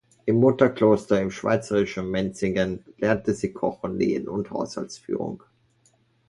Im Mutterkloster im schweizerischen Menzingen lernte sie Kochen, Nähen und Haushaltsführung.